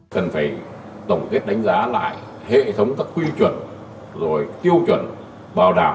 cần phải tổng kết đánh giá lại hệ thống các quy chuẩn rồi tiêu chuẩn bảo đảm